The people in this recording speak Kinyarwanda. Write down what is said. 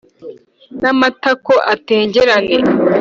n’amatako atengerane